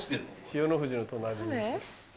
千代の富士の隣に。